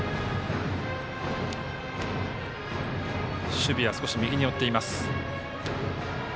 守備は少し右に寄っています。